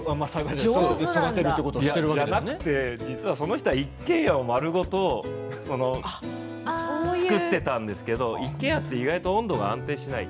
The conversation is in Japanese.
その人は一軒家を丸ごと造っていたんですけど一軒家って意外と温度が安定しない。